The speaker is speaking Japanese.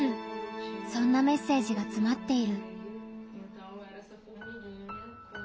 そんなメッセージがつまっている。